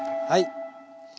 はい。